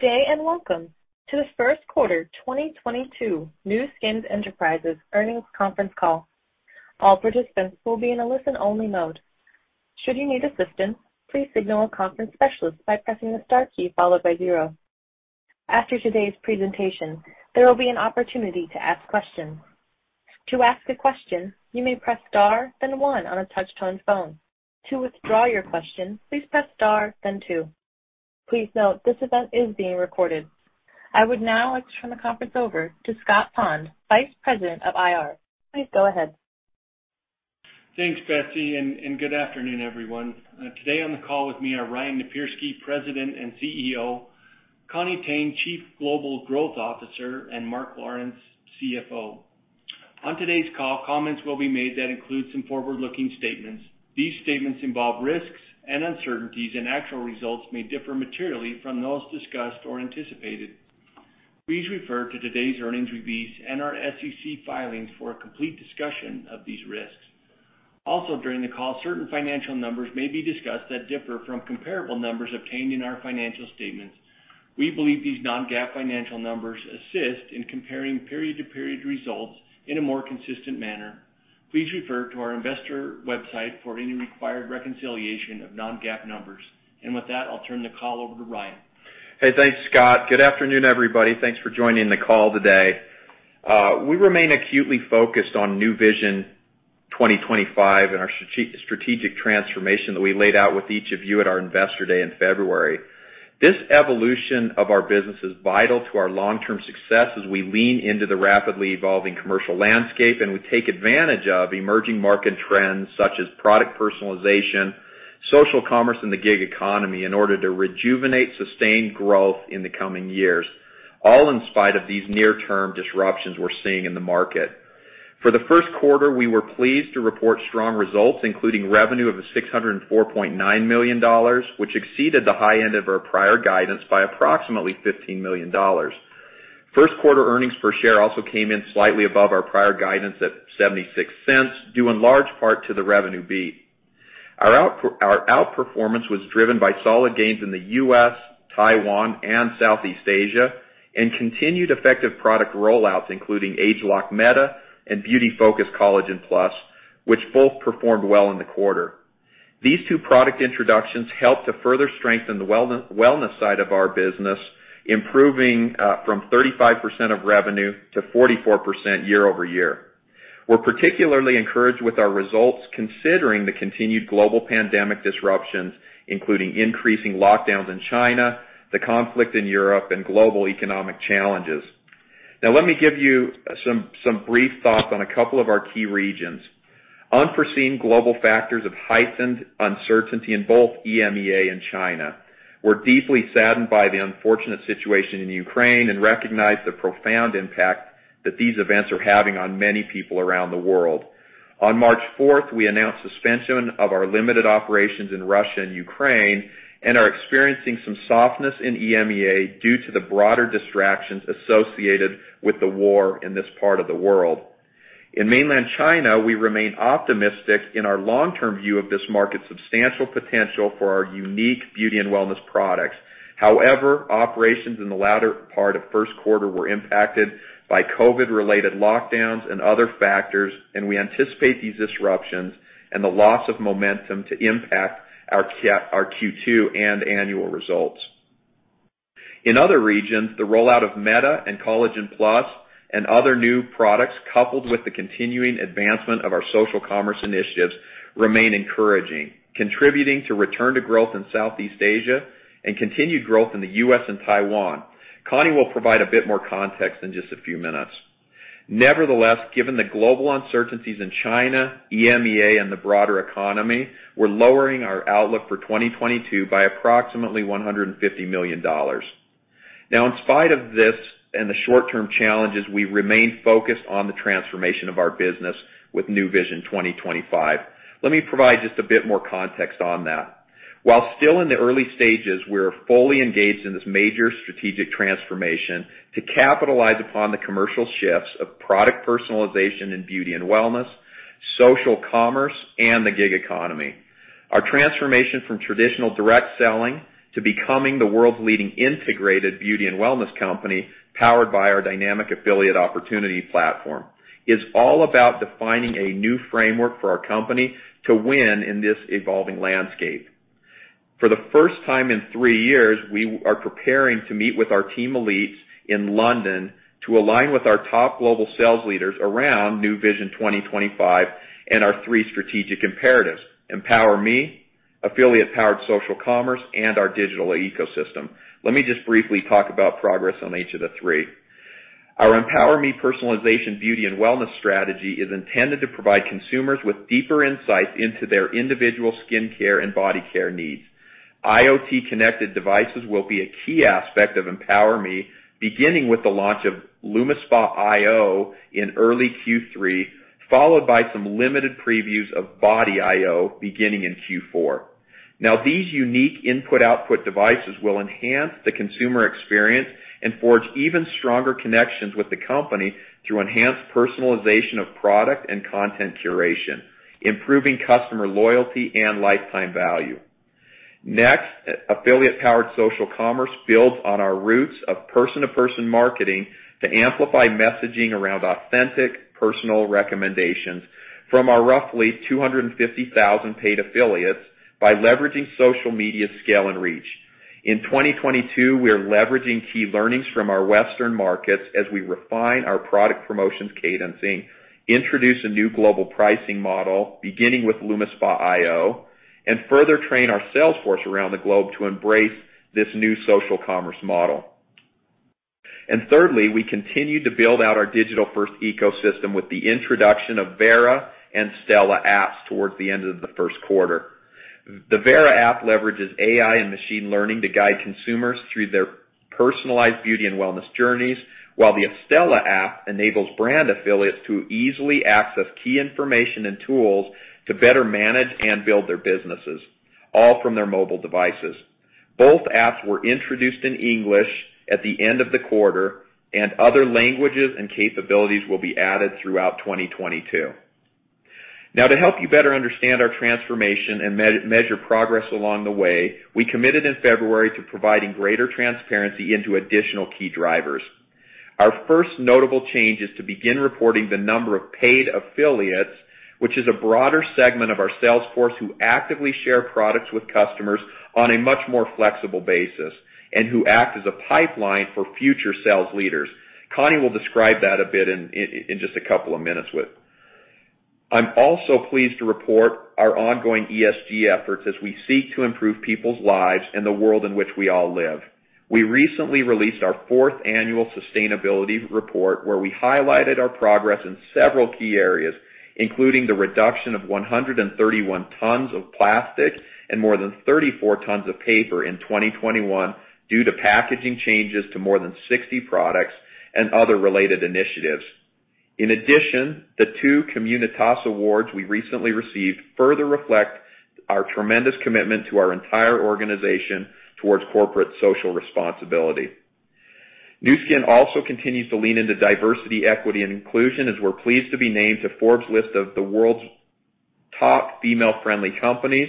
Good day, and welcome to the first quarter 2022 Nu Skin Enterprises earnings conference call. All participants will be in a listen-only mode. Should you need assistance, please signal a conference specialist by pressing the star key followed by zero. After today's presentation, there will be an opportunity to ask questions. To ask a question, you may press star, then one on a touch-tone phone. To withdraw your question, please press star, then two. Please note, this event is being recorded. I would now like to turn the conference over to Scott Pond, Vice President of IR. Please go ahead. Thanks, Betsy, and good afternoon, everyone. Today on the call with me are Ryan Napierski, President and CEO, Connie Tang, Chief Global Growth Officer, and Mark Lawrence, CFO. On today's call, comments will be made that include some forward-looking statements. These statements involve risks and uncertainties, and actual results may differ materially from those discussed or anticipated. Please refer to today's earnings release and our SEC filings for a complete discussion of these risks. Also, during the call, certain financial numbers may be discussed that differ from comparable numbers obtained in our financial statements. We believe these non-GAAP financial numbers assist in comparing period-to-period results in a more consistent manner. Please refer to our investor website for any required reconciliation of non-GAAP numbers. With that, I'll turn the call over to Ryan. Hey, thanks, Scott. Good afternoon, everybody. Thanks for joining the call today. We remain acutely focused on Nu Vision 2025 and our strategic transformation that we laid out with each of you at our Investor Day in February. This evolution of our business is vital to our long-term success as we lean into the rapidly evolving commercial landscape, and we take advantage of emerging market trends such as product personalization, social commerce, and the gig economy in order to rejuvenate sustained growth in the coming years, all in spite of these near-term disruptions we're seeing in the market. For the first quarter, we were pleased to report strong results, including revenue of $604.9 million, which exceeded the high end of our prior guidance by approximately $15 million. First quarter earnings per share also came in slightly above our prior guidance at $0.76, due in large part to the revenue beat. Our outperformance was driven by solid gains in the U.S., Taiwan, and Southeast Asia, and continued effective product rollouts, including ageLOC Meta and Beauty Focus Collagen+, which both performed well in the quarter. These two product introductions helped to further strengthen the wellness side of our business, improving from 35% of revenue to 44% year-over-year. We're particularly encouraged with our results, considering the continued global pandemic disruptions, including increasing lockdowns in China, the conflict in Europe, and global economic challenges. Now, let me give you some brief thoughts on a couple of our key regions. Unforeseen global factors have heightened uncertainty in both EMEA and China. We're deeply saddened by the unfortunate situation in Ukraine and recognize the profound impact that these events are having on many people around the world. On March 4th, we announced suspension of our limited operations in Russia and Ukraine and are experiencing some softness in EMEA due to the broader distractions associated with the war in this part of the world. In mainland China, we remain optimistic in our long-term view of this market's substantial potential for our unique beauty and wellness products. However, operations in the latter part of first quarter were impacted by COVID-related lockdowns and other factors, and we anticipate these disruptions and the loss of momentum to impact our Q2 and annual results. In other regions, the rollout of Meta and Collagen+ and other new products, coupled with the continuing advancement of our social commerce initiatives, remain encouraging, contributing to return to growth in Southeast Asia and continued growth in the U.S. and Taiwan. Connie will provide a bit more context in just a few minutes. Nevertheless, given the global uncertainties in China, EMEA, and the broader economy, we're lowering our outlook for 2022 by approximately $150 million. Now, in spite of this and the short-term challenges, we remain focused on the transformation of our business with Nu Vision 2025. Let me provide just a bit more context on that. While still in the early stages, we are fully engaged in this major strategic transformation to capitalize upon the commercial shifts of product personalization in beauty and wellness, social commerce, and the gig economy. Our transformation from traditional direct selling to becoming the world's leading integrated beauty and wellness company, powered by our dynamic affiliate opportunity platform, is all about defining a new framework for our company to win in this evolving landscape. For the first time in three years, we are preparing to meet with our Team Elite in London to align with our top global sales leaders around Nu Vision 2025 and our three strategic imperatives, EmpowerMe, affiliate-powered social commerce, and our digital ecosystem. Let me just briefly talk about progress on each of the three. Our EmpowerMe personalization, beauty, and wellness strategy is intended to provide consumers with deeper insights into their individual skincare and body care needs. IoT connected devices will be a key aspect of EmpowerMe, beginning with the launch of LumiSpa iO in early Q3, followed by some limited previews of RenuSpa iO beginning in Q4. Now, these unique input/output devices will enhance the consumer experience and forge even stronger connections with the company through enhanced personalization of product and content curation, improving customer loyalty and lifetime value. Next, affiliate-powered social commerce builds on our roots of person-to-person marketing to amplify messaging around authentic personal recommendations from our roughly 250,000 paid affiliates by leveraging social media scale and reach. In 2022, we are leveraging key learnings from our Western markets as we refine our product promotions cadencing, introduce a new global pricing model, beginning with LumiSpa iO, and further train our sales force around the globe to embrace this new social commerce model. Thirdly, we continue to build out our digital-first ecosystem with the introduction of Vera and Stela apps towards the end of the first quarter. The Vera app leverages AI and machine learning to guide consumers through their personalized beauty and wellness journeys, while the Stela app enables brand affiliates to easily access key information and tools to better manage and build their businesses, all from their mobile devices. Both apps were introduced in English at the end of the quarter, and other languages and capabilities will be added throughout 2022. Now, to help you better understand our transformation and measure progress along the way, we committed in February to providing greater transparency into additional key drivers. Our first notable change is to begin reporting the number of paid affiliates, which is a broader segment of our sales force who actively share products with customers on a much more flexible basis and who act as a pipeline for future sales leaders. Connie will describe that a bit in just a couple of minutes. I'm also pleased to report our ongoing ESG efforts as we seek to improve people's lives and the world in which we all live. We recently released our fourth annual sustainability report, where we highlighted our progress in several key areas, including the reduction of 131 tons of plastic and more than 34 tons of paper in 2021 due to packaging changes to more than 60 products and other related initiatives. In addition, the two Communitas Awards we recently received further reflect our tremendous commitment to our entire organization towards corporate social responsibility. Nu Skin also continues to lean into diversity, equity, and inclusion, as we're pleased to be named to Forbes list of the world's top female-friendly companies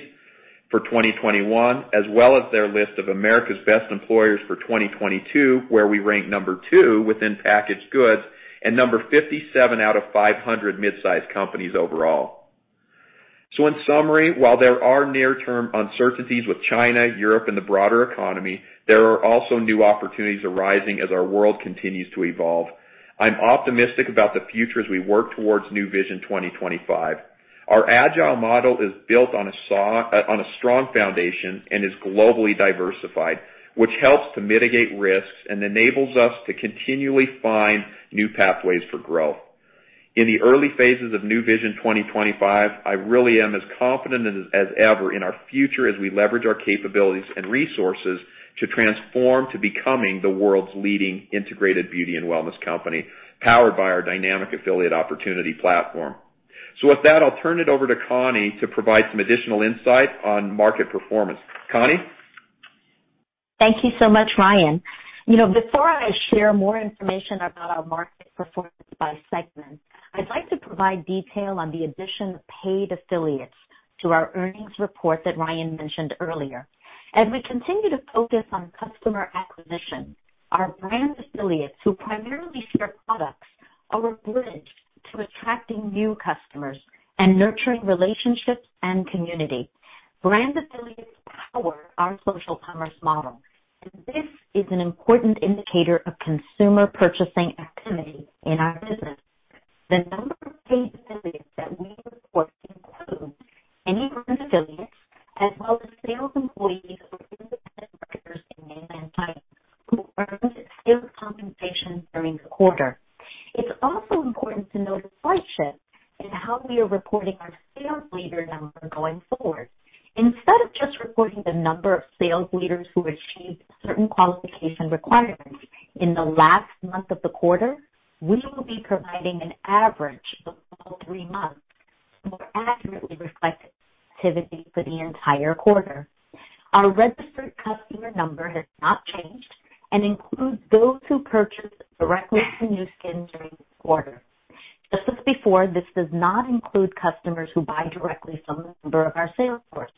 for 2021, as well as their list of America's best employers for 2022, where we ranked number two within packaged goods and 57 out of 500 mid-sized companies overall. In summary, while there are near-term uncertainties with China, Europe, and the broader economy, there are also new opportunities arising as our world continues to evolve. I'm optimistic about the future as we work towards Nu Vision 2025. Our agile model is built on a strong foundation and is globally diversified, which helps to mitigate risks and enables us to continually find new pathways for growth. In the early phases of Nu Vision 2025, I really am as confident as ever in our future as we leverage our capabilities and resources to transform to becoming the world's leading integrated beauty and wellness company, powered by our dynamic affiliate opportunity platform. With that, I'll turn it over to Connie to provide some additional insight on market performance. Connie? Thank you so much, Ryan. Before I share more information about our market performance by segment, I'd like to provide detail on the addition of paid affiliates to our earnings report that Ryan mentioned earlier. As we continue to focus on customer acquisition, our Brand Affiliates, who primarily share products, are a bridge to attracting new customers and nurturing relationships and community. Brand Affiliates power our social commerce model, and this is an important indicator of consumer purchasing activity in our business. The number of paid affiliates that we report includes any Brand Affiliates as well as sales employees or independent workers in mainland China who earned sales compensation during the quarter. It's also important to note a slight shift in how we are reporting our sales leader number going forward. Instead of just reporting the number of sales leaders who achieved certain qualification requirements in the last month of the quarter, we will be providing an average of the full three months to more accurately reflect activity for the entire quarter. Our registered customer number has not changed and includes those who purchased directly from Nu Skin during the quarter. Just as before, this does not include customers who buy directly from a member of our sales force.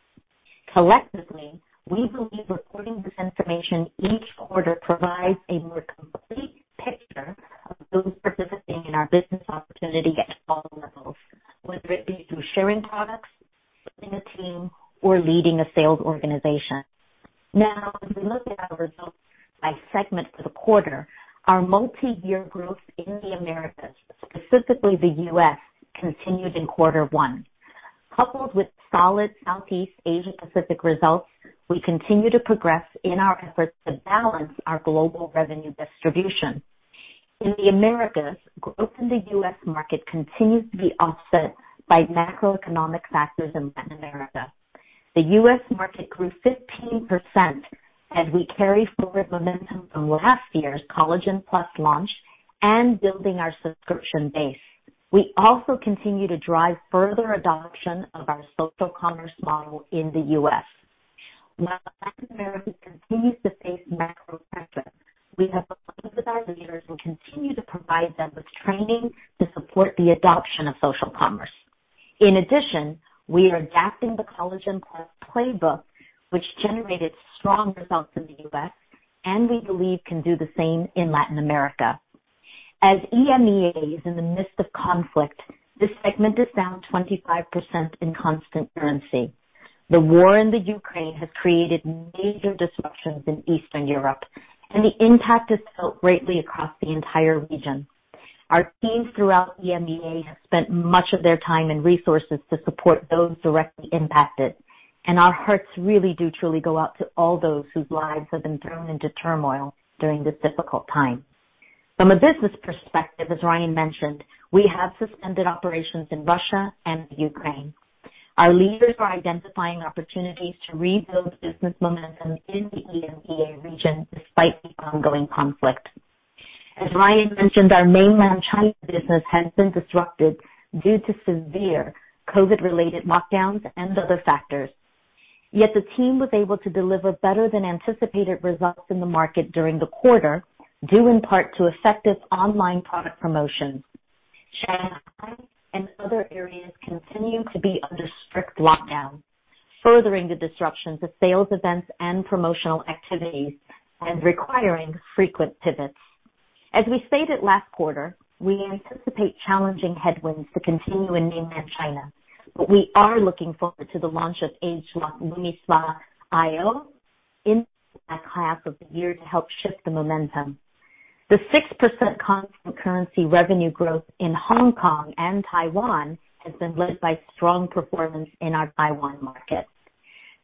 Collectively, we believe reporting this information each quarter provides a more complete picture of those participating in our business opportunity at all levels, whether it be through sharing products, building a team, or leading a sales organization. Now, as we look at our results by segment for the quarter, our multi-year growth in the Americas, specifically the U.S., continued in quarter one. Coupled with solid Southeast Asia and Pacific results, we continue to progress in our efforts to balance our global revenue distribution. In the Americas, growth in the U.S. market continues to be offset by macroeconomic factors in Latin America. The U.S. market grew 15% as we carry forward momentum from last year's Collagen+ launch and building our subscription base. We also continue to drive further adoption of our social commerce model in the U.S. North America continues to face macro factors. We have worked with our leaders and continue to provide them with training to support the adoption of social commerce. In addition, we are adapting the Collagen+ playbook, which generated strong results in the U.S., and we believe can do the same in Latin America. As EMEA is in the midst of conflict, this segment is down 25% in constant currency. The war in the Ukraine has created major disruptions in Eastern Europe, and the impact is felt greatly across the entire region. Our teams throughout EMEA have spent much of their time and resources to support those directly impacted, and our hearts really do truly go out to all those whose lives have been thrown into turmoil during this difficult time. From a business perspective, as Ryan mentioned, we have suspended operations in Russia and the Ukraine. Our leaders are identifying opportunities to rebuild business momentum in the EMEA region despite the ongoing conflict. As Ryan mentioned, our Mainland China business has been disrupted due to severe COVID-related lockdowns and other factors. Yet the team was able to deliver better than anticipated results in the market during the quarter, due in part to effective online product promotions. Shanghai and other areas continue to be under strict lockdown, furthering the disruptions of sales events and promotional activities and requiring frequent pivots. As we stated last quarter, we anticipate challenging headwinds to continue in Mainland China, but we are looking forward to the launch of ageLOC LumiSpa iO in the back half of the year to help shift the momentum. The 6% constant currency revenue growth in Hong Kong and Taiwan has been led by strong performance in our Taiwan market.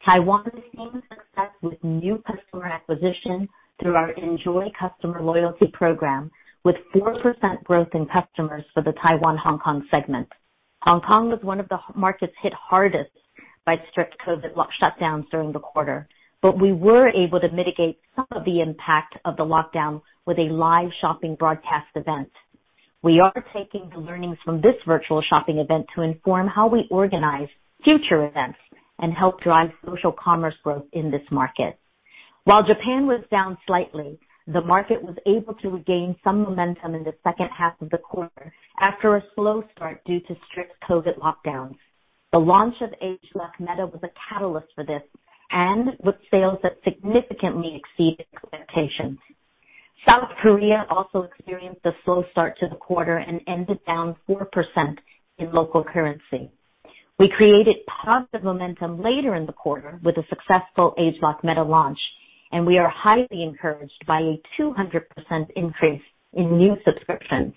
Taiwan has seen success with new customer acquisition through our enJoy customer loyalty program, with 4% growth in customers for the Taiwan-Hong Kong segment. Hong Kong was one of the markets hit hardest by strict COVID shutdowns during the quarter, but we were able to mitigate some of the impact of the lockdown with a live shopping broadcast event. We are taking the learnings from this virtual shopping event to inform how we organize future events and help drive social commerce growth in this market. While Japan was down slightly, the market was able to regain some momentum in the second half of the quarter after a slow start due to strict COVID lockdowns. The launch of ageLOC Meta was a catalyst for this, and with sales that significantly exceeded expectations. South Korea also experienced a slow start to the quarter and ended down 4% in local currency. We created positive momentum later in the quarter with a successful ageLOC Meta launch, and we are highly encouraged by a 200% increase in new subscriptions.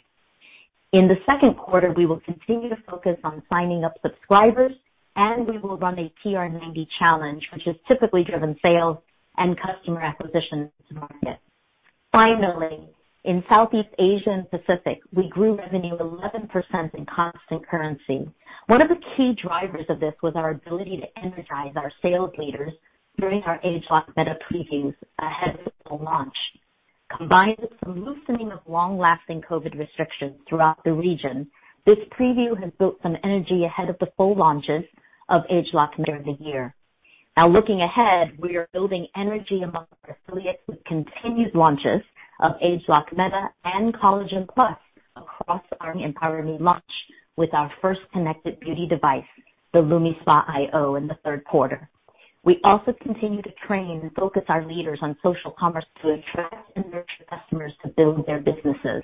In the second quarter, we will continue to focus on signing up subscribers, and we will run a TR90 challenge, which has typically driven sales and customer acquisitions to market. Finally, in Southeast Asia and Pacific, we grew revenue 11% in constant currency. One of the key drivers of this was our ability to energize our sales leaders during our ageLOC Meta previews ahead of the full launch. Combined with some loosening of long-lasting COVID restrictions throughout the region, this preview has built some energy ahead of the full launches of ageLOC later in the year. Now looking ahead, we are building energy among our affiliates with continued launches of ageLOC Meta and Collagen+ across our EmpowerMe launch with our first connected beauty device, the LumiSpa iO, in the third quarter. We also continue to train and focus our leaders on social commerce to attract and nurture customers to build their businesses.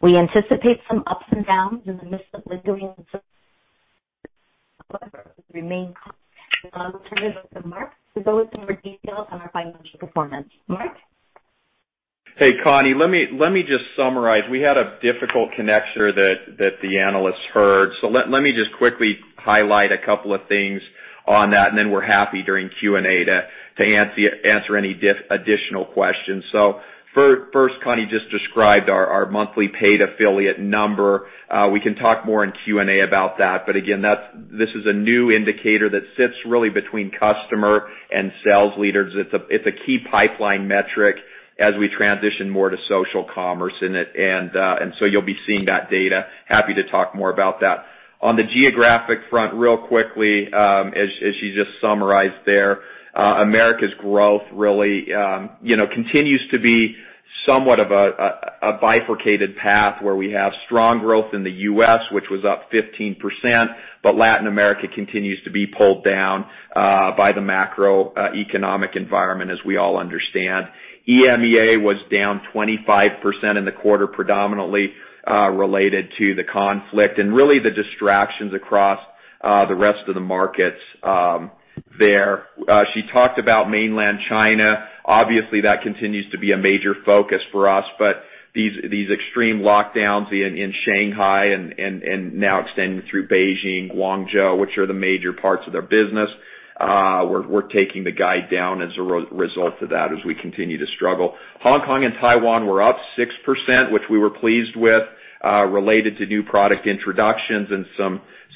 We anticipate some ups and downs in the midst of the doing however, remain con... Now I will turn it over to Mark to go into more details on our financial performance. Mark? Hey, Connie, let me just summarize. We had a difficult connection that the analysts heard. Let me just quickly highlight a couple of things on that, and then we're happy during Q&A to answer any additional questions. First, Connie just described our monthly paid affiliate number. We can talk more in Q&A about that, but again, this is a new indicator that sits really between customer and sales leaders. It's a key pipeline metric as we transition more to social commerce in it. You'll be seeing that data. Happy to talk more about that. On the geographic front, real quickly, as she just summarized there, Americas' growth really continues to be somewhat of a bifurcated path where we have strong growth in the U.S., which was up 15%, but Latin America continues to be pulled down by the macroeconomic environment, as we all understand. EMEA was down 25% in the quarter, predominantly related to the conflict and really the distractions across the rest of the markets there. She talked about Mainland China. Obviously, that continues to be a major focus for us, but these extreme lockdowns in Shanghai and now extending through Beijing, Guangzhou, which are the major parts of their business, we're taking the guide down as a result of that as we continue to struggle. Hong Kong and Taiwan were up 6%, which we were pleased with, related to new product introductions and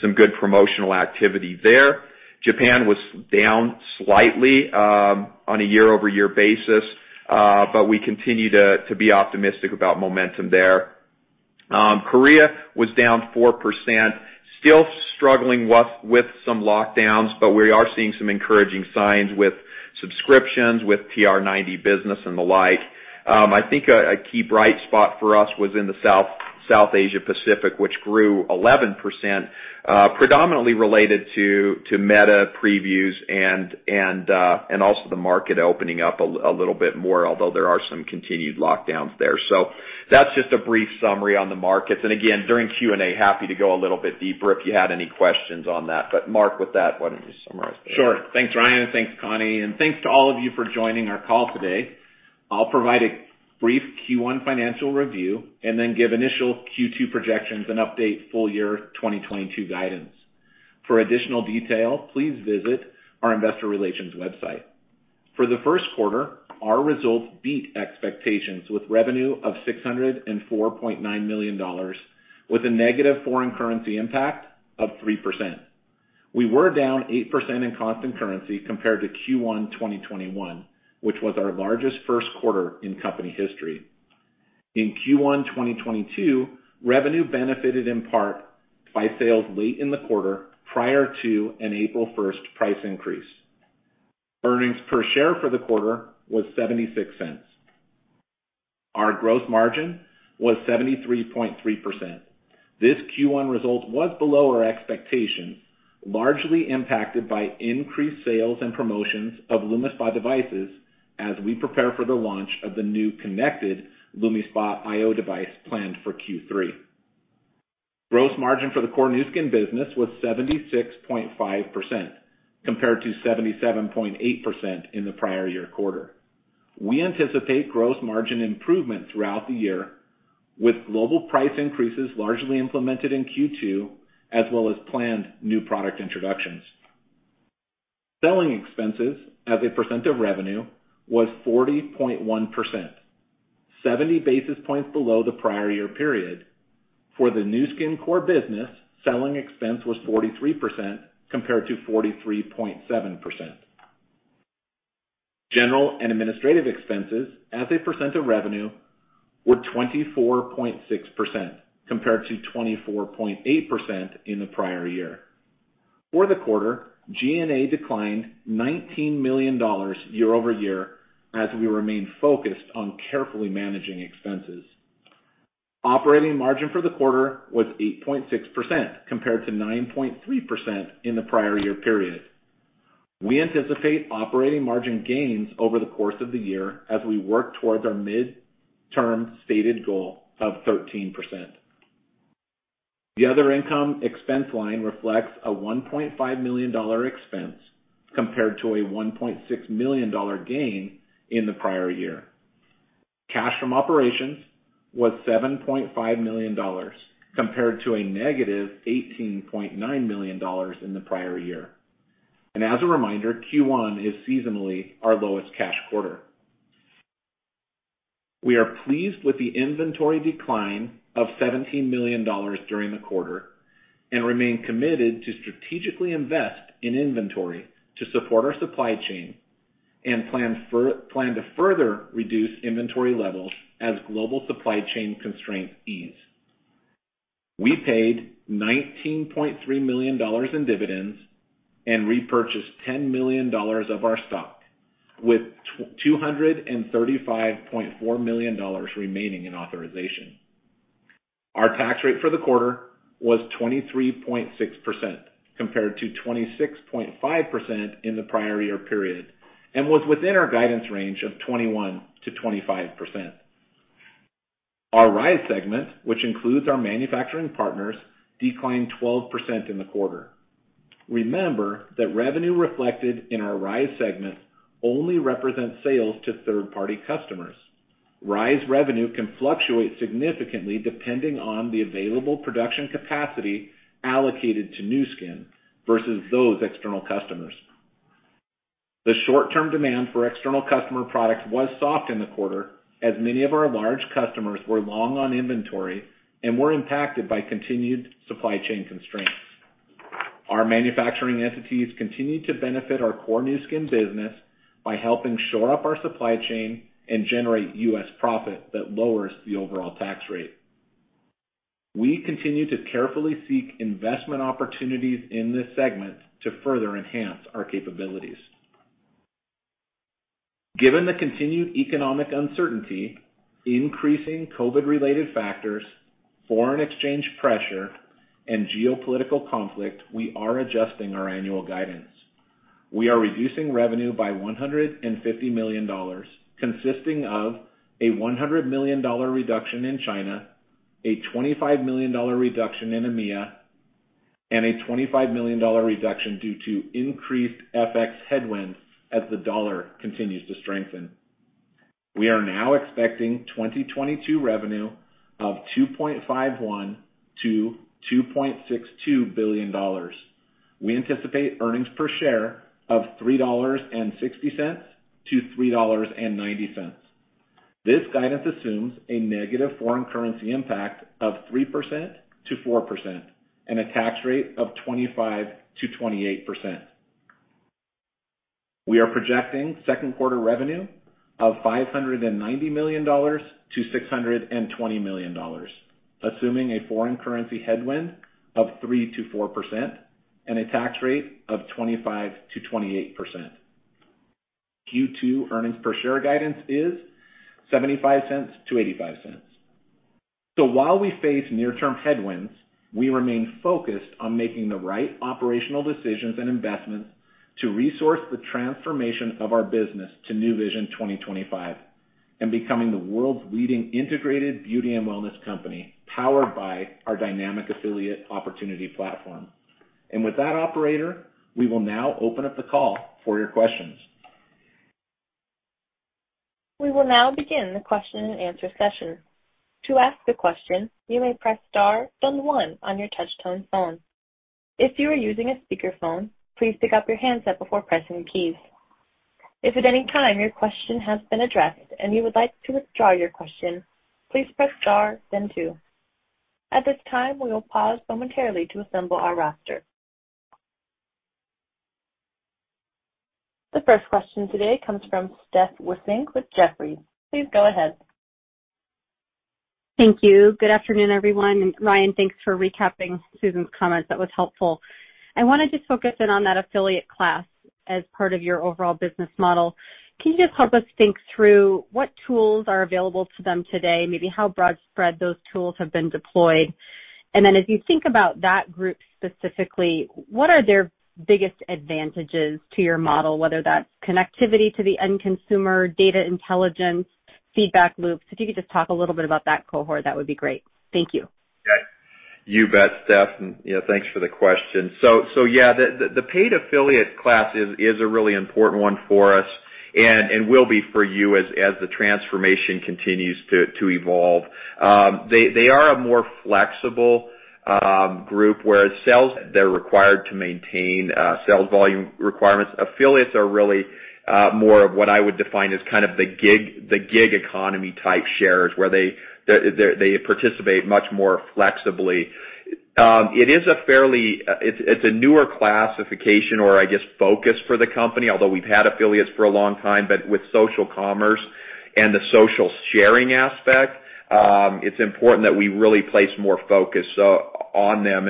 some good promotional activity there. Japan was down slightly on a year-over-year basis, but we continue to be optimistic about momentum there. Korea was down 4%, still struggling with some lockdowns, but we are seeing some encouraging signs with subscriptions, with TR90 business and the like. I think a key bright spot for us was in the Southeast Asia and Pacific, which grew 11%, predominantly related to Meta previews and also the market opening up a little bit more, although there are some continued lockdowns there. That's just a brief summary on the markets. Again, during Q&A, happy to go a little bit deeper if you had any questions on that. Mark, with that, why don't you summarize? Sure. Thanks, Ryan. Thanks, Connie, and thanks to all of you for joining our call today. I'll provide a brief Q1 financial review and then give initial Q2 projections and update full year 2022 guidance. For additional detail, please visit our investor relations website. For the first quarter, our results beat expectations with revenue of $604.9 million, with a negative foreign currency impact of 3%. We were down 8% in constant currency compared to Q1 2021, which was our largest first quarter in company history. In Q1 2022, revenue benefited in part by sales late in the quarter, prior to an April 1st price increase. Earnings per share for the quarter was $0.76. Our gross margin was 73.3%. This Q1 result was below our expectations, largely impacted by increased sales and promotions of LumiSpa devices as we prepare for the launch of the new connected LumiSpa iO device planned for Q3. Gross margin for the core Nu Skin business was 76.5%, compared to 77.8% in the prior year quarter. We anticipate gross margin improvement throughout the year, with global price increases largely implemented in Q2, as well as planned new product introductions. Selling expenses as a percent of revenue was 40.1%, 70 basis points below the prior year period. For the Nu Skin core business, selling expense was 43%, compared to 43.7%. General and administrative expenses as a percent of revenue were 24.6%, compared to 24.8% in the prior year. For the quarter, G&A declined $19 million year-over-year, as we remain focused on carefully managing expenses. Operating margin for the quarter was 8.6%, compared to 9.3% in the prior year period. We anticipate operating margin gains over the course of the year as we work towards our mid-term stated goal of 13%. The other income expense line reflects a $1.5 million expense, compared to a $1.6 million gain in the prior year. Cash from operations was $7.5 million, compared to a $-18.9 million in the prior year. As a reminder, Q1 is seasonally our lowest cash quarter. We are pleased with the inventory decline of $17 million during the quarter and remain committed to strategically invest in inventory to support our supply chain and plan to further reduce inventory levels as global supply chain constraints ease. We paid $19.3 million in dividends and repurchased $10 million of our stock, with $235.4 million remaining in authorization. Our tax rate for the quarter was 23.6%, compared to 26.5% in the prior year period, and was within our guidance range of 21%-25%. Our RISE segment, which includes our manufacturing partners, declined 12% in the quarter. Remember that revenue reflected in our RISE segment only represents sales to third-party customers. RISE revenue can fluctuate significantly depending on the available production capacity allocated to Nu Skin versus those external customers. The short-term demand for external customer products was soft in the quarter, as many of our large customers were long on inventory and were impacted by continued supply chain constraints. Our manufacturing entities continued to benefit our core Nu Skin business by helping shore up our supply chain and generate U.S. profit that lowers the overall tax rate. We continue to carefully seek investment opportunities in this segment to further enhance our capabilities. Given the continued economic uncertainty, increasing COVID-related factors, foreign exchange pressure, and geopolitical conflict, we are adjusting our annual guidance. We are reducing revenue by $150 million, consisting of a $100 million reduction in China, a $25 million reduction in EMEA, and a $25 million reduction due to increased FX headwinds as the dollar continues to strengthen. We are now expecting 2022 revenue of $2.51-$2.62 billion. We anticipate earnings per share of $3.60-$3.90. This guidance assumes a negative foreign currency impact of 3%-4% and a tax rate of 25%-28%. We are projecting second quarter revenue of $590 million-$620 million, assuming a foreign currency headwind of 3%-4% and a tax rate of 25%-28%. Q2 earnings per share guidance is $0.75-$0.85. While we face near-term headwinds, we remain focused on making the right operational decisions and investments to resource the transformation of our business to Nu Vision 2025 and becoming the world's leading integrated beauty and wellness company, powered by our dynamic affiliate opportunity platform. With that operator, we will now open up the call for your questions. We will now begin the question-and-answer session. To ask a question, you may press star then one on your touchtone phone. If you are using a speakerphone, please pick up your handset before pressing keys. If at any time your question has been addressed and you would like to withdraw your question, please press star then two. At this time, we will pause momentarily to assemble our roster. The first question today comes from Steph Wissink with Jefferies. Please go ahead. Thank you. Good afternoon, everyone. Ryan, thanks for recapping Connie Tang's comments. That was helpful. I want to just focus in on that affiliate class as part of your overall business model. Can you just help us think through what tools are available to them today, maybe how broadly those tools have been deployed? As you think about that group specifically, what are their biggest advantages to your model, whether that's connectivity to the end consumer, data intelligence, feedback loops? If you could just talk a little bit about that cohort, that would be great. Thank you. You bet, Steph, and thanks for the question. Yeah, the paid affiliate class is a really important one for us and will be for you as the transformation continues to evolve. They are a more flexible group, whereas sales, they're required to maintain sales volume requirements. Affiliates are really more of what I would define as kind of the gig economy type shares, where they participate much more flexibly. It's a newer classification or I guess, focus for the company, although we've had affiliates for a long time, but with social commerce and the social sharing aspect, it's important that we really place more focus on them.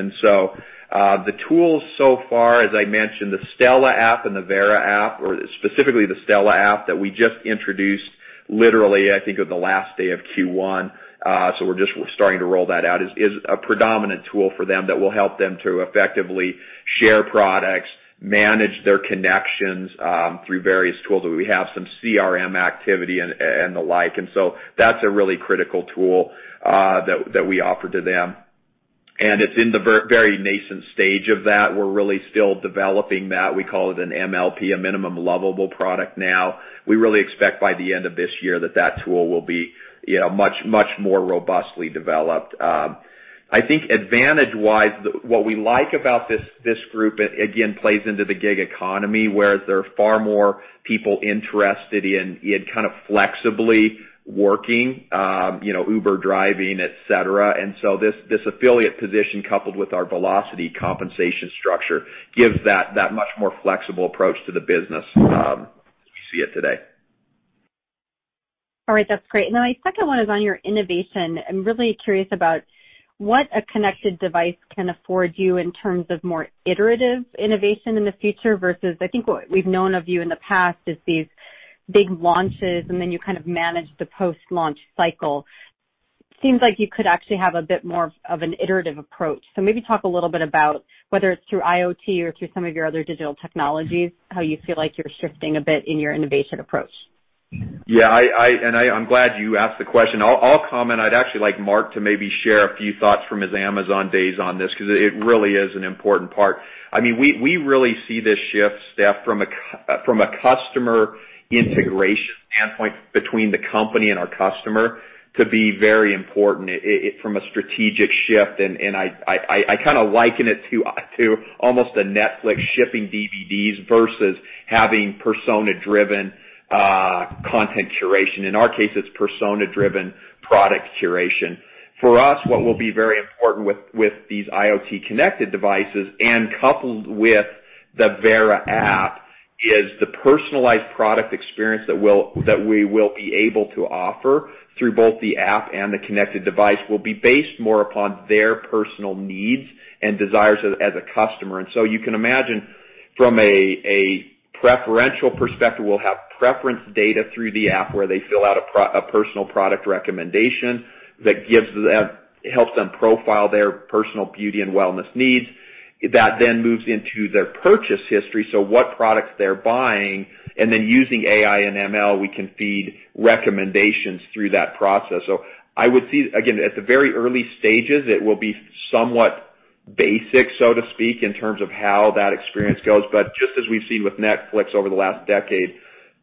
The tools so far, as I mentioned, the Stela app and the Vera app, or specifically the Stela app that we just introduced, literally, I think of the last day of Q1, so we're just starting to roll that out, is a predominant tool for them that will help them to effectively share products, manage their connections, through various tools that we have, some CRM activity and the like. That's a really critical tool that we offer to them. It's in the very nascent stage of that. We're really still developing that. We call it an MLP, a minimum lovable product now. We really expect by the end of this year that tool will be much more robustly developed. I think advantage-wise, what we like about this group, again, plays into the gig economy, where there are far more people interested in kind of flexibly working, Uber driving, etc. This affiliate position, coupled with our velocity compensation structure, gives that much more flexible approach to the business as you see it today. All right, that's great. Now my second one is on your innovation. I'm really curious about what a connected device can afford you in terms of more iterative innovation in the future versus, I think what we've known of you in the past is these big launches, and then you kind of manage the post-launch cycle. Seems like you could actually have a bit more of an iterative approach. Maybe talk a little bit about whether it's through IoT or through some of your other digital technologies, how you feel like you're shifting a bit in your innovation approach. Yeah. I'm glad you asked the question. I'll comment, I'd actually like Mark to maybe share a few thoughts from his Amazon days on this, because it really is an important part. We really see this shift, Steph, from a customer integration standpoint between the company and our customer to be very important from a strategic shift. I kind of liken it to almost a Netflix shipping DVDs versus having persona-driven content curation. In our case, it's persona-driven product curation. For us, what will be very important with these IoT connected devices and coupled with the Vera app is the personalized product experience that we will be able to offer through both the app and the connected device will be based more upon their personal needs and desires as a customer. You can imagine from a preferential perspective, we'll have preference data through the app where they fill out a personal product recommendation that helps them profile their personal beauty and wellness needs. That then moves into their purchase history, so what products they're buying, and then using AI and ML, we can feed recommendations through that process. I would see, again, at the very early stages, it will be somewhat basic, so to speak, in terms of how that experience goes. Just as we've seen with Netflix over the last decade,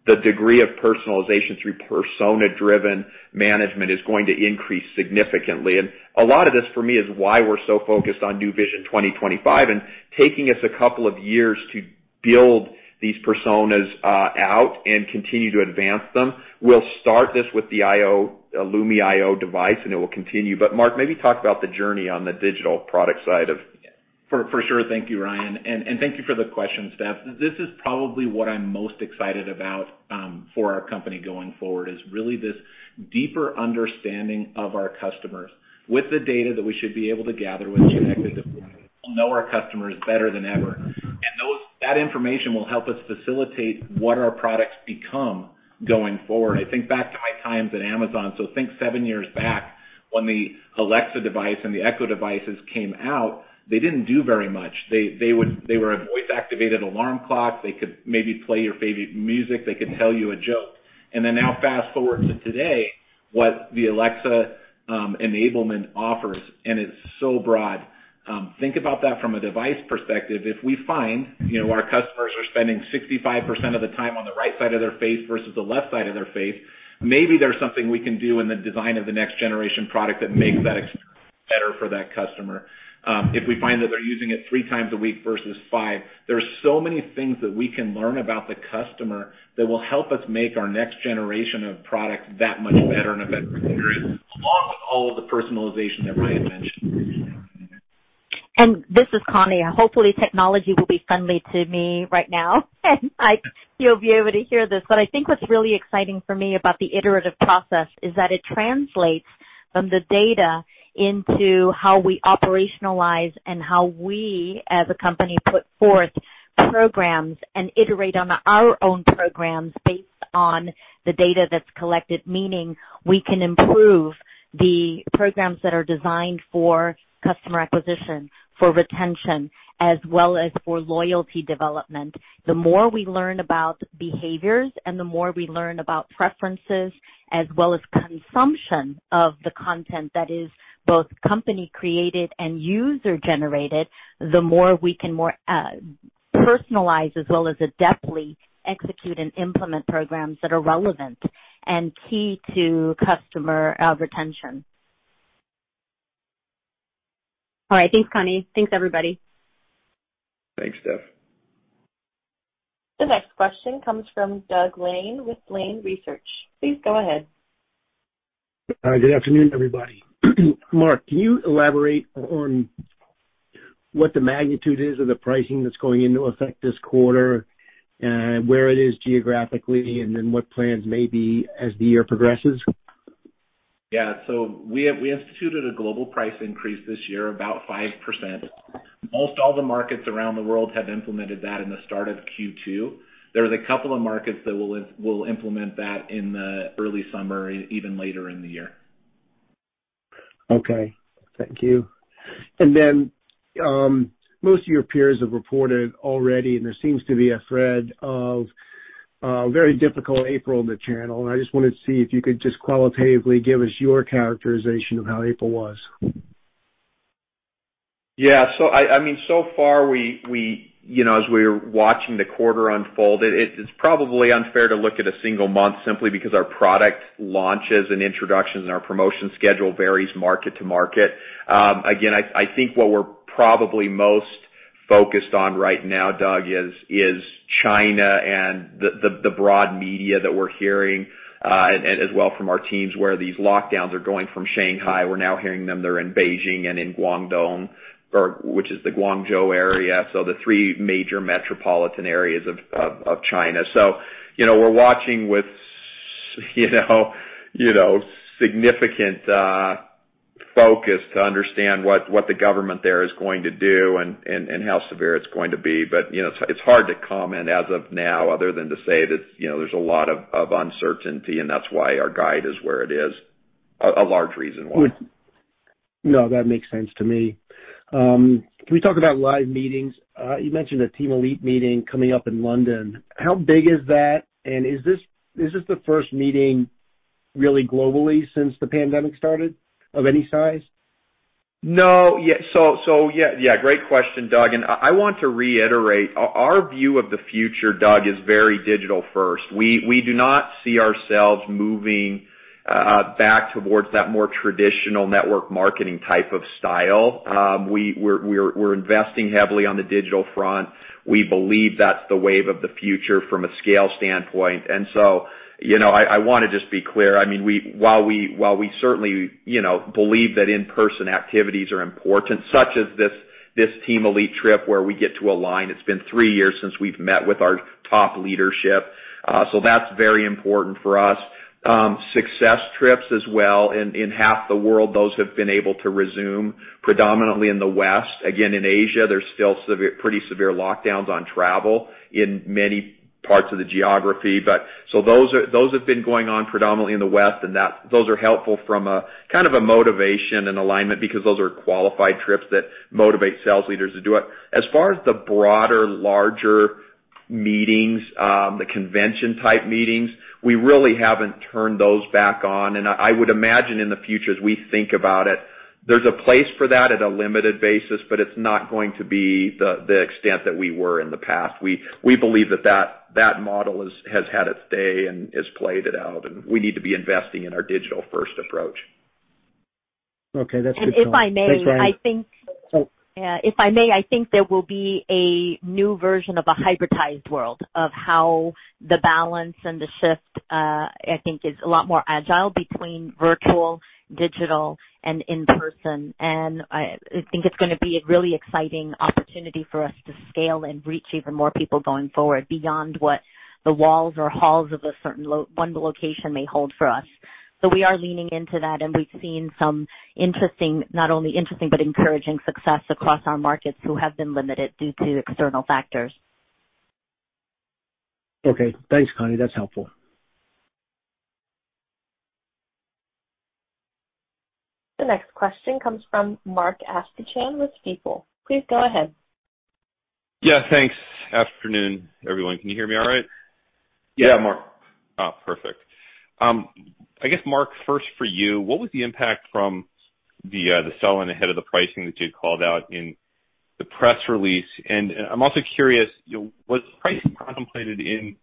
the degree of personalization through persona-driven management is going to increase significantly. A lot of this for me is why we're so focused on Nu Vision 2025 and taking us a couple of years to build these personas out and continue to advance them. We'll start this with the LumiSpa iO device, and it will continue. Mark, maybe talk about the journey on the digital product side. For sure. Thank you, Ryan, and thank you for the question, Steph. This is probably what I'm most excited about for our company going forward, is really this deeper understanding of our customers with the data that we should be able to gather with the connected device. We'll know our customers better than ever, and that information will help us facilitate what our products become going forward. I think back to my times at Amazon, so think seven years back when the Alexa device and the Echo devices came out, they didn't do very much. They were a voice-activated alarm clock. They could maybe play your favorite music. They could tell you a joke. Now fast-forward to today, what the Alexa enablement offers, and it's so broad. Think about that from a device perspective. If we find our customers are spending 65% of the time on the right side of their face versus the left side of their face, maybe there's something we can do in the design of the next generation product that makes that experience better for that customer. If we find that they're using it 3x a week versus 5x, there are so many things that we can learn about the customer that will help us make our next generation of products that much better and a better experience, along with all of the personalization that Ryan mentioned. This is Connie. Hopefully, technology will be friendly to me right now, and you'll be able to hear this. I think what's really exciting for me about the iterative process is that it translates from the data into how we operationalize and how we, as a company, put forth programs and iterate on our own programs based on the data that's collected, meaning we can improve the programs that are designed for customer acquisition, for retention, as well as for loyalty development. The more we learn about behaviors and the more we learn about preferences as well as consumption of the content that is both company-created and user-generated, the more we can personalize as well as adeptly execute and implement programs that are relevant and key to customer retention. All right. Thanks, Connie. Thanks, everybody. Thanks, Steph. The next question comes from Doug Lane with Lane Research. Please go ahead. Good afternoon, everybody. Mark, can you elaborate on what the magnitude is of the pricing that's going into effect this quarter, where it is geographically, and then what plans may be as the year progresses? Yeah. We instituted a global price increase this year, about 5%. Most all the markets around the world have implemented that in the start of Q2. There's a couple of markets that will implement that in the early summer, even later in the year. Okay. Thank you. Most of your peers have reported already, and there seems to be a thread of a very difficult April in the channel. I just wanted to see if you could just qualitatively give us your characterization of how April was. Yeah. So far, as we're watching the quarter unfold, it's probably unfair to look at a single month simply because our product launches and introductions and our promotion schedule varies market to market. Again, I think what we're probably most focused on right now, Doug, is China and the broader media that we're hearing as well from our teams, where these lockdowns are going on from Shanghai. We're now hearing that they're in Beijing and in Guangdong, which is the Guangzhou area, so the three major metropolitan areas of China. We're watching with significant focus to understand what the government there is going to do and how severe it's going to be. It's hard to comment as of now other than to say that there's a lot of uncertainty, and that's why our guide is where it is, a large reason why. No, that makes sense to me. Can we talk about live meetings? You mentioned a Team Elite meeting coming up in London. How big is that? And is this the first meeting really globally since the pandemic started, of any size? No. Yeah. Great question, Doug, and I want to reiterate. Our view of the future, Doug, is very digital first. We do not see ourselves moving back towards that more traditional network marketing type of style. We're investing heavily on the digital front. We believe that's the wave of the future from a scale standpoint. I want to just be clear. While we certainly believe that in-person activities are important, such as this Team Elite trip where we get to align. It's been three years since we've met with our top leadership. That's very important for us. Success trips as well. In half the world, those have been able to resume predominantly in the West. Again, in Asia, there's still pretty severe lockdowns on travel in many parts of the geography. Those have been going on predominantly in the West, and those are helpful from a kind of a motivation and alignment because those are qualified trips that motivate sales leaders to do it. As far as the broader, larger meetings, the convention-type meetings, we really haven't turned those back on, and I would imagine in the future, as we think about it, there's a place for that at a limited basis, but it's not going to be the extent that we were in the past. We believe that model has had its day and has played it out, and we need to be investing in our digital-first approach. Okay. That's good to know. If I may, I think- Thanks, Connie. If I may, I think there will be a new version of a hybridized world of how the balance and the shift, I think is a lot more agile between virtual, digital, and in person. I think it's going to be a really exciting opportunity for us to scale and reach even more people going forward beyond what the walls or halls of a certain one location may hold for us. We are leaning into that, and we've seen some interesting, not only interesting, but encouraging success across our markets who have been limited due to external factors. Okay. Thanks, Connie. That's helpful. The next question comes from Mark Astrachan with Stifel. Please go ahead. Yeah, thanks. Good afternoon, everyone. Can you hear me all right? Yeah, Mark. Oh, perfect. I guess, Mark, first for you, what was the impact from the sell-in ahead of the pricing that you called out in the press release? I'm also curious, was pricing contemplated in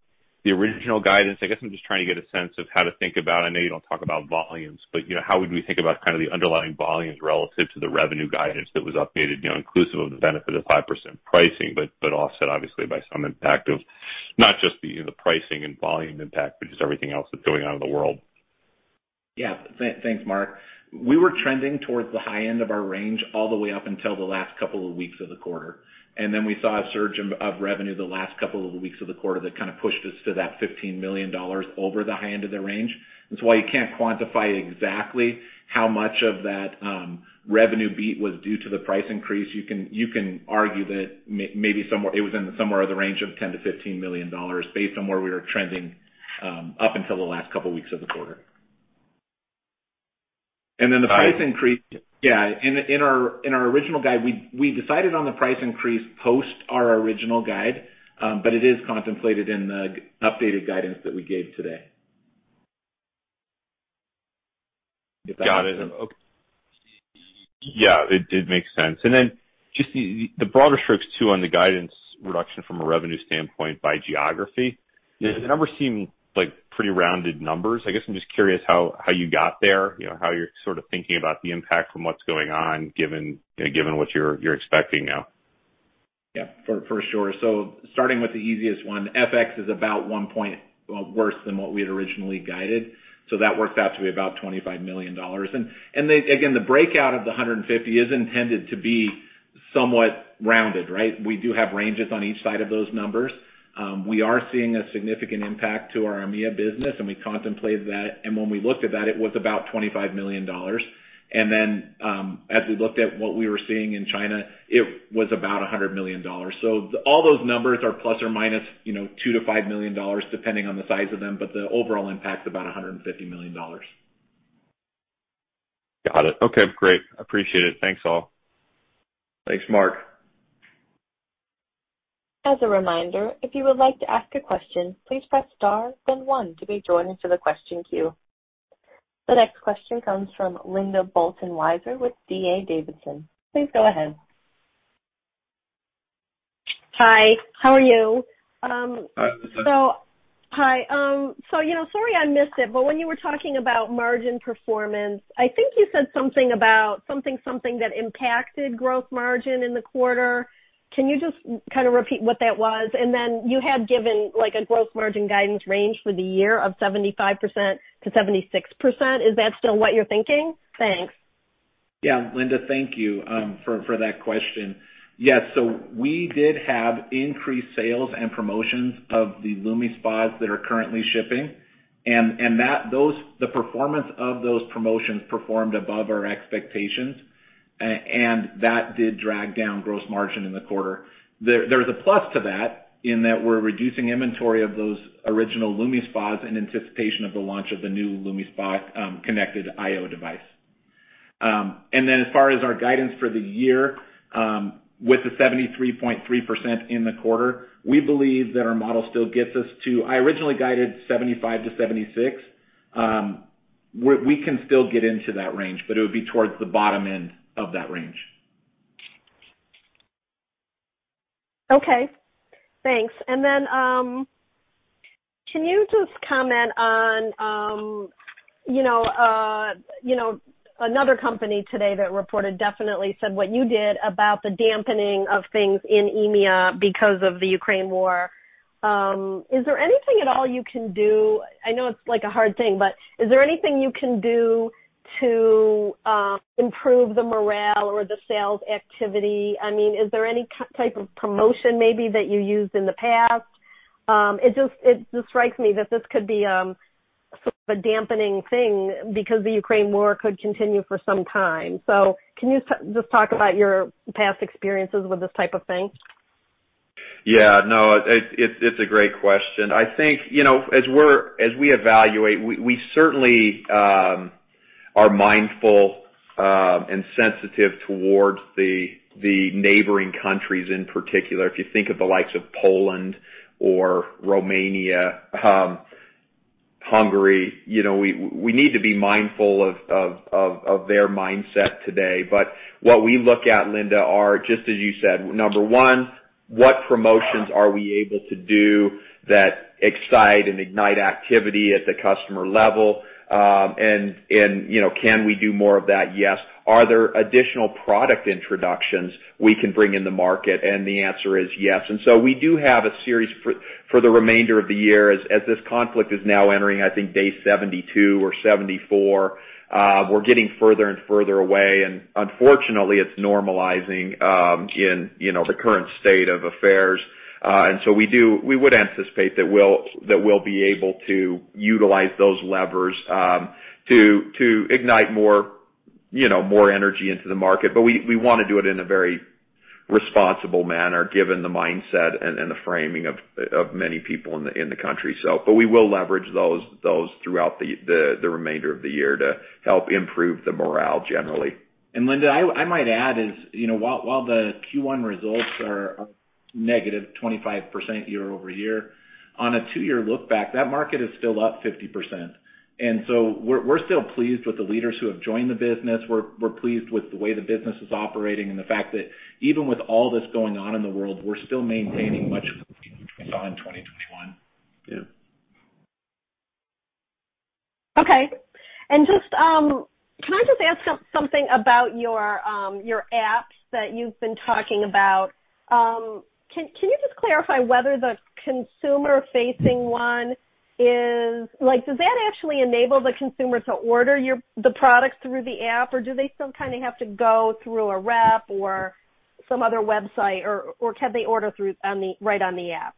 the original guidance? I guess I'm just trying to get a sense of how to think about, I know you don't talk about volumes, but how would we think about kind of the underlying volumes relative to the revenue guidance that was updated inclusive of the benefit of 5% pricing, but offset obviously by some impact of not just the pricing and volume impact, but just everything else that's going on in the world? Yeah. Thanks, Mark. We were trending towards the high end of our range all the way up until the last couple of weeks of the quarter. Then we saw a surge of revenue the last couple of weeks of the quarter that kind of pushed us to that $15 million over the high end of the range. That's why you can't quantify exactly how much of that revenue beat was due to the price increase. You can argue that maybe it was somewhere in the range of $10 million-$15 million based on where we were trending, up until the last couple of weeks of the quarter. Then the price increase. Yeah. In our original guide, we decided on the price increase post our original guide, but it is contemplated in the updated guidance that we gave today. Got it. Yeah, it makes sense. Just the broader strokes too, on the guidance reduction from a revenue standpoint by geography. Yeah. The numbers seem like pretty rounded numbers. I guess I'm just curious how you got there, how you're sort of thinking about the impact from what's going on, given what you're expecting now. Yeah, for sure. Starting with the easiest one, FX is about one point worse than what we had originally guided. That worked out to be about $25 million. Then again, the breakout of the $150 million is intended to be somewhat rounded, right? We do have ranges on each side of those numbers. We are seeing a significant impact to our EMEA business, and we contemplate that. When we looked at that, it was about $25 million. Then, as we looked at what we were seeing in China, it was about $100 million. All those numbers are $±2 million-$5 million, depending on the size of them. The overall impact is about $150 million. Got it. Okay, great. I appreciate it. Thanks, all. Thanks, Mark. As a reminder, if you would like to ask a question, please press star then one to be joined into the question queue. The next question comes from Linda Bolton-Weiser with D.A. Davidson. Please go ahead. Hi, how are you? Hi. Hi. Sorry I missed it, but when you were talking about margin performance, I think you said something about something that impacted gross margin in the quarter. Can you just kind of repeat what that was? Then you had given a gross margin guidance range for the year of 75%-76%. Is that still what you're thinking? Thanks. Yeah, Linda, thank you for that question. Yes. We did have increased sales and promotions of the LumiSpas that are currently shipping, and the performance of those promotions performed above our expectations, and that did drag down gross margin in the quarter. There is a plus to that in that we're reducing inventory of those original LumiSpas in anticipation of the launch of the new LumiSpa connected iO device. As far as our guidance for the year, with the 73.3% in the quarter, we believe that our model still gets us to I originally guided 75%-76%. We can still get into that range, but it would be towards the bottom end of that range. Okay, thanks. Then, can you just comment on another company today that reported, definitely said what you did about the dampening of things in EMEA because of the Ukraine war. Is there anything at all you can do? I know it's a hard thing, but is there anything you can do to improve the morale or the sales activity? Is there any type of promotion maybe that you used in the past? It just strikes me that this could be sort of a dampening thing because the Ukraine war could continue for some time. Can you just talk about your past experiences with this type of thing? Yeah. No, it's a great question. I think, as we evaluate, we certainly are mindful and sensitive towards the neighboring countries in particular. If you think of the likes of Poland or Romania, Hungary, we need to be mindful of their mindset today. What we look at, Linda, are just as you said, number one. What promotions are we able to do that excite and ignite activity at the customer level? Can we do more of that? Yes. Are there additional product introductions we can bring in the market? The answer is yes. We do have a series for the remainder of the year, as this conflict is now entering, I think, day 72 or 74. We're getting further and further away, and unfortunately, it's normalizing in the current state of affairs. We would anticipate that we'll be able to utilize those levers to ignite more energy into the market. We want to do it in a very responsible manner given the mindset and the framing of many people in the country. We will leverage those throughout the remainder of the year to help improve the morale generally. Linda, I might add is, while the Q1 results are negative 25% year-over-year, on a two-year look back, that market is still up 50%. We're still pleased with the leaders who have joined the business. We're pleased with the way the business is operating and the fact that even with all this going on in the world, we're still maintaining much of 2021. Yeah. Okay. Can I just ask something about your apps that you've been talking about? Can you just clarify whether the consumer-facing one does that actually enable the consumer to order the products through the app, or do they still have to go through a rep or some other website, or can they order right on the app?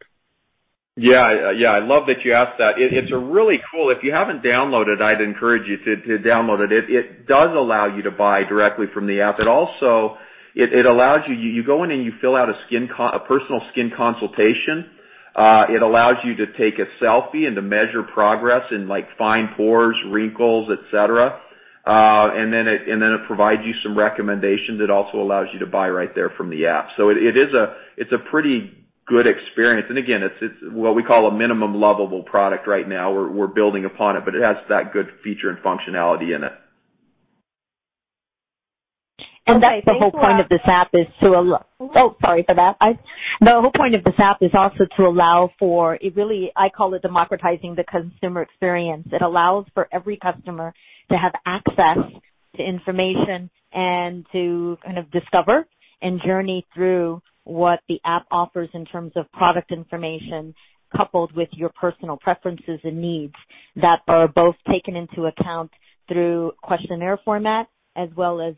Yeah. I love that you asked that. It's a really cool. If you haven't downloaded, I'd encourage you to download it. It does allow you to buy directly from the app. It allows you go in and you fill out a personal skin consultation. It allows you to take a selfie and to measure progress in fine pores, wrinkles, etc. It provides you some recommendations. It also allows you to buy right there from the app. It's a pretty good experience. Again, it's what we call a minimum lovable product right now. We're building upon it, but it has that good feature and functionality in it. Okay. Thanks a lot. The whole point of this app is also to allow for, it really, I call it democratizing the consumer experience. It allows for every customer to have access to information and to kind of discover and journey through what the app offers in terms of product information coupled with your personal preferences and needs that are both taken into account through questionnaire format as well as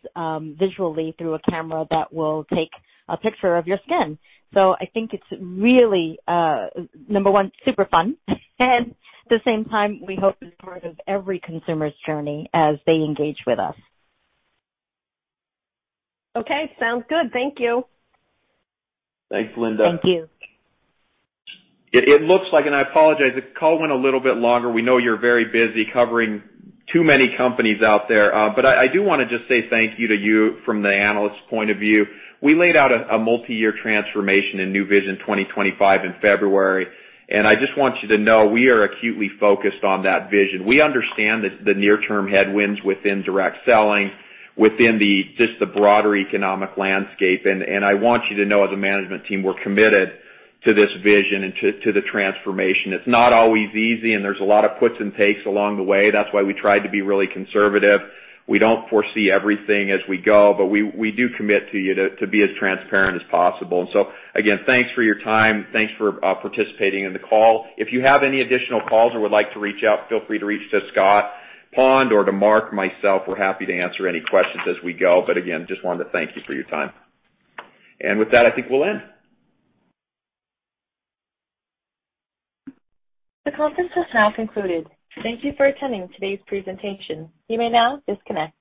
visually through a camera that will take a picture of your skin. I think it's really, number one, super fun. At the same time, we hope it's part of every consumer's journey as they engage with us. Okay, sounds good. Thank you. Thanks, Linda. Thank you. It looks like, and I apologize, the call went a little bit longer. We know you're very busy covering too many companies out there. I do want to just say thank you to you from the analyst point of view. We laid out a multi-year transformation in Nu Vision 2025 in February, and I just want you to know we are acutely focused on that vision. We understand the near term headwinds within direct selling, within just the broader economic landscape, and I want you to know as a management team, we're committed to this vision and to the transformation. It's not always easy, and there's a lot of puts and takes along the way. That's why we tried to be really conservative. We don't foresee everything as we go, but we do commit to you to be as transparent as possible. Again, thanks for your time. Thanks for participating in the call. If you have any additional calls or would like to reach out, feel free to reach out to Scott Pond or to Mark, myself, we're happy to answer any questions as we go. But again, just wanted to thank you for your time. With that, I think we'll end. The conference has now concluded. Thank you for attending today's presentation. You may now disconnect.